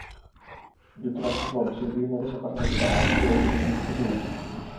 যুক্তরাষ্ট্রসহ বিশ্বের বিভিন্ন দেশের পাশাপাশি বাংলাদেশেও একই দিনে মুক্তি পাচ্ছে ছবিটি।